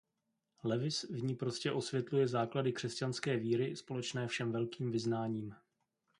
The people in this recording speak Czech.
Lewis v ní prostě osvětluje základy křesťanské víry společné všem velkým vyznáním.